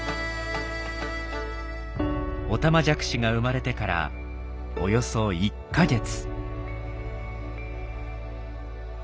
オタマジャクシが生まれてからおよそ１か月。